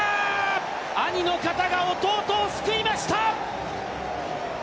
兄の肩が弟を救いました！